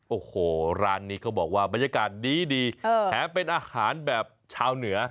โอ้โหร้านนี้เขาบอกว่าบรรยากาศดีแถมเป็นอาหารแบบชาวเหนือ